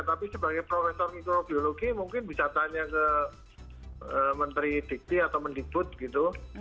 tapi sebagai profesor mikrobiologi mungkin bisa tanya ke menteri dikti atau mendikbud gitu